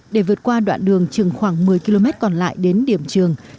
để vượt qua đoạn đường chừng khoảng một mươi km còn lại đến điểm trường